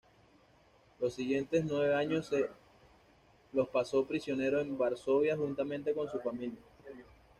Los siguientes nueve años se los pasó prisionero en Varsovia juntamente con su familia.